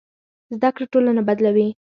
زده کړه ټولنه بدلوي.